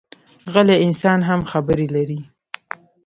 غلی انسان هم خبرې لري